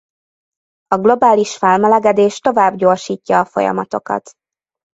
A globális felmelegedés tovább gyorsítja a folyamatokat.